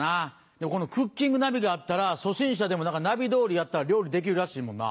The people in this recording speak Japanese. でもこのクッキングナビがあったら初心者でもナビ通りやったら料理できるらしいもんな。